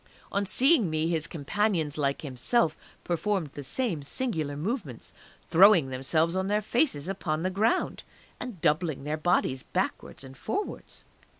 On seeing me his companions, like himself, performed the same singular movements, throwing themselves on their faces upon the ground, and doubling their bodies backwards and forwards.